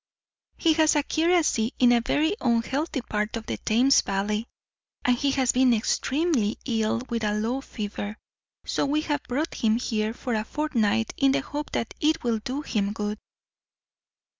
He has a curacy in a very unhealthy part of the Thames Valley, and he has been extremely ill with a low fever, so we have brought him here for a fortnight in the hope that it will do him good."